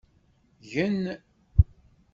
Gen.